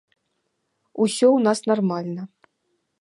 Усё ў нас нармальна.